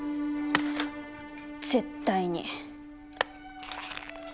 絶対に！